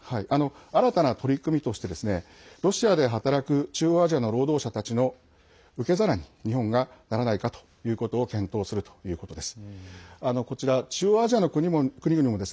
新たな取り組みとしてロシアで働く中央アジアの労働者たちの受け皿に日本がならないかということを検討するということです。